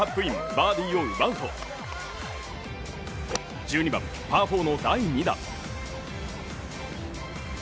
バーディーを奪うと１２番、パー４の第２打。